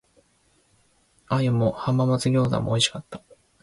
鰻も浜松餃子も美味しかった。